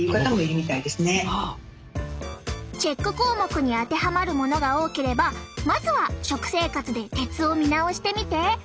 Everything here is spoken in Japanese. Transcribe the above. チェック項目に当てはまるものが多ければまずは食生活で鉄を見直してみて。